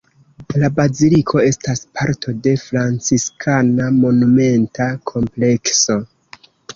La baziliko estas parto de franciskana monumenta komplekso.